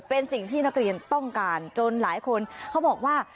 เป็นสิ่งที่นักเรียนต้องการจนหลายคนเขาบอกว่า